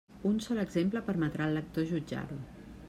Un sol exemple permetrà al lector jutjar-ho.